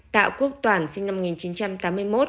tạo quốc toản sinh năm một nghìn chín trăm tám mươi một